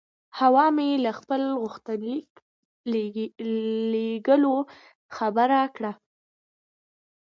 حوا مې له خپل غوښتنلیک لېږلو خبره کړه.